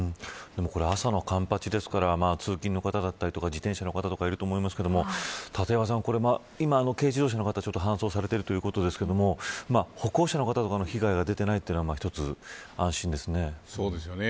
朝の環八ですから通勤の方だったりとかいると思いますけど立岩さん、これは今軽自動車の方搬送されているということですが歩行者の方とかの被害が出ていないというのが一つ、安心ですね。